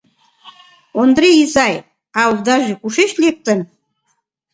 — Ондре изай, а овдаже кушеч лектын?